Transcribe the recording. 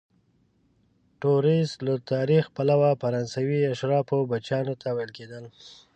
توریست له تاریخي پلوه فرانسوي اشرافو بچیانو ته ویل کیدل.